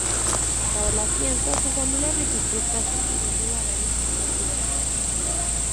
Para la fianza, su familia registró casi un millón de dólares en propiedades.